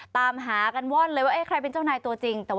ตามหากันว่อนเลยว่าใครเป็นเจ้านายตัวจริง